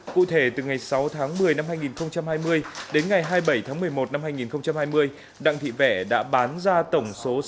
cụ thể từ ngày sáu tháng một mươi năm hai nghìn hai mươi đến ngày hai mươi bảy tháng một mươi một năm hai nghìn hai mươi đặng thị vẻ đã bán ra tổng số